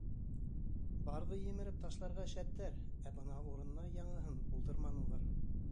Барҙы емереп ташларға шәптәр, ә бына урынына яңыһын булдырманылар.